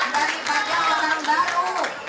daripada orang baru